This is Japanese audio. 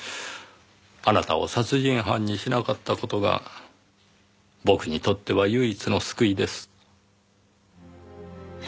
あなたを殺人犯にしなかった事が僕にとっては唯一の救いです。